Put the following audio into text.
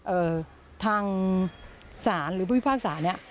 เอ่อทางสารหรือภาพภาคสารนี้